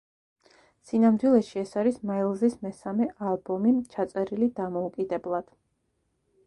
სინამდვილეში, ეს არის მაილზის მესამე ალბომი, ჩაწერილი დამოუკიდებლად.